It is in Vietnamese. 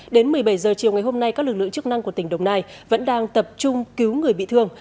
đến một mươi bảy h chiều ngày hôm nay các lực lượng chức năng của tỉnh đồng nai vẫn đang tập trung cứu người bị thương